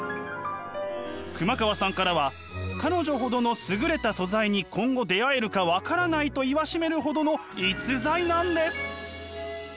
熊川さんからは「彼女ほどの優れた素材に今後出会えるかわからない」と言わしめるほどの逸材なんです。